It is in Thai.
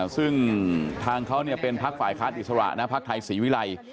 ซึ่งทางเขาเป็นพักฝ่ายค้านอิสระนะพักไทยศรีวิรัย